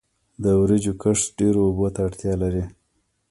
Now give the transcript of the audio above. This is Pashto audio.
د وریجو کښت ډیرو اوبو ته اړتیا لري.